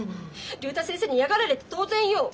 竜太先生に嫌がられて当然よ。